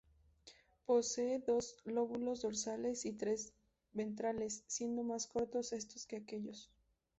Posee dos lóbulos dorsales y tres ventrales, siendo más cortos estos que aquellos.